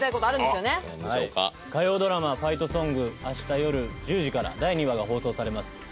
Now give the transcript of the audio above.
はい火曜ドラマ「ファイトソング」明日夜１０時から第２話が放送されます